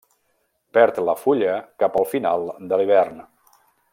Perd la fulla cap al final de l'hivern.